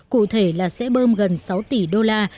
cụ thể là sẽ bơm gần sáu tỷ đô la